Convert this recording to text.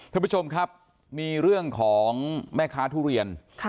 ท่านผู้ชมครับมีเรื่องของแม่ค้าทุเรียน